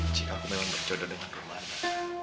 jika aku memang bercode dengan rulana